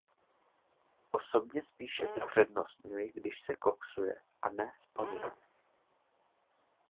Osobně spíše upřednostňuji, když se koksuje, a ne spaluje.